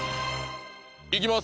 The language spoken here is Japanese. いきます！